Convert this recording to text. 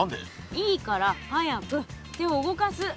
いいから！早く手を動かす！